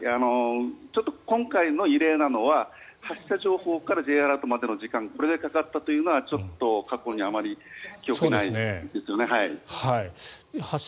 今回の異例なのは、発射情報からＪアラートまでの時間これだけかかったというのは過去にあまり記憶がないですよね。